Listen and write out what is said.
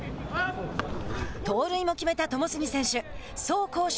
盗塁も決めた友杉選手。